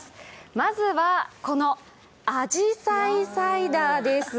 まずは、このあじさいサイダーです。